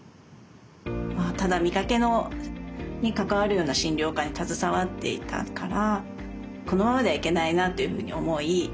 ただ見かけに関わるような診療科に携わっていたからこのままじゃいけないなっていうふうに思い